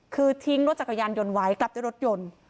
คือทิ้งรถจักรยานยนต์ไว้กลับด้วยรถยนต์